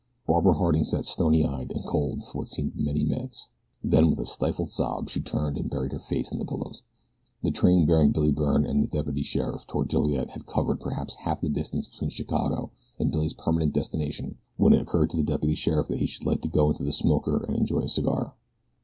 Barbara Harding sat stony eyed and cold for what seemed many minutes. Then with a stifled sob she turned and buried her face in the pillows. The train bearing Billy Byrne and the deputy sheriff toward Joliet had covered perhaps half the distance between Chicago and Billy's permanent destination when it occurred to the deputy sheriff that he should like to go into the smoker and enjoy a cigar.